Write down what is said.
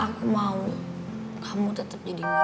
aku mau kamu tetep jadi kaya